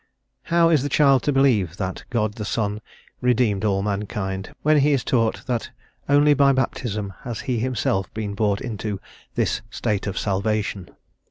How is the child to believe that God the Son redeemed all mankind, when he is taught that only by baptism has he himself been brought into "this state of salvation?"